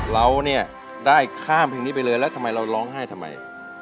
เราเนี่ยได้ข้ามเพลงนี้ไปเลยแล้วทำไมเราร้องไห้ทำไม